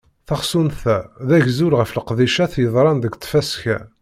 Tasɣunt-a d agzul ɣef leqdicat yeḍran deg tfaska.